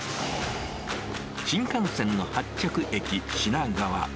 新幹線の発着駅、品川。